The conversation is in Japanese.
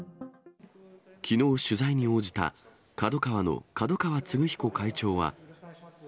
きのう、取材に応じたＫＡＤＯＫＡＷＡの角川歴彦会長は。